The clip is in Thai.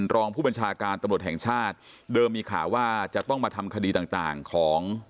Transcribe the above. รองผู้บัญชาการตำรวจแห่งชาติเดิมมีข่าวว่าจะต้องมาทำคดีต่างต่างของ